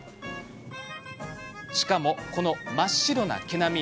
しかも、この真っ白な毛並み。